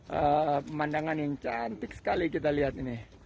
pemandangan yang cantik sekali kita lihat ini